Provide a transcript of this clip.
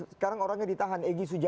sekarang orangnya ditahan egy sujana